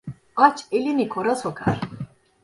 Aç elini kora sokar.